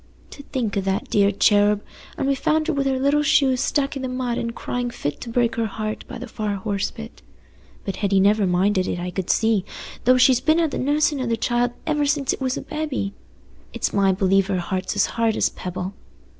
To think o' that dear cherub! And we found her wi' her little shoes stuck i' the mud an' crying fit to break her heart by the far horse pit. But Hetty never minded it, I could see, though she's been at the nussin' o' the child ever since it was a babby. It's my belief her heart's as hard as a pebble."